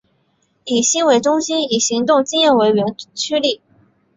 以心为中心以行动经验为原驱力。